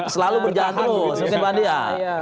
selalu berjadul seperti pandian